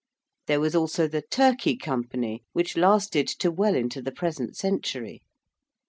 There was also the Turkey Company, which lasted to well into the present century.